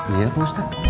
iya pak ustadz